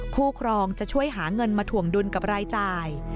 ครองจะช่วยหาเงินมาถ่วงดุลกับรายจ่าย